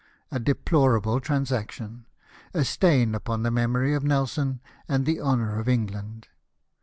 A de plorable transaction ! A stain upon the memory of Nelson and the honour of England